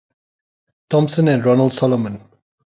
Thompson and Ronald Solomon.